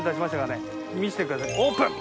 見してくださいオープン！